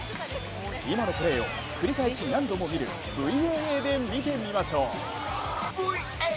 今のプレーを繰り返し何度も見るＶＡＡで見てみましょう。